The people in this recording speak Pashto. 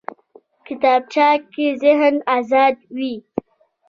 کتابچه کې ذهن ازاد وي